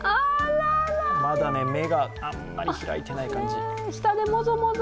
まだ目があまり開いていない感じ。